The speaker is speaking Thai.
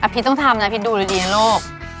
อภิตต้องทำนะอภิตดูดีนะลูก